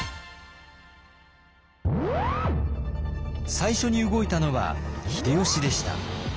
最初に動いたのは秀吉でした。